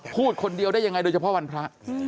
พูดคนเดียวได้ยังไงโดยเฉพาะวันพระ